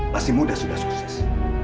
masih muda sudah sukses